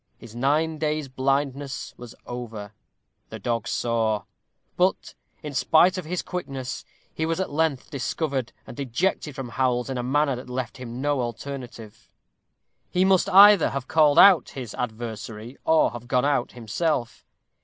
His nine days' blindness was over. The dog saw. But, in spite of his quickness, he was at length discovered, and ejected from Howell's in a manner that left him no alternative. He must either have called out his adversary, or have gone out himself.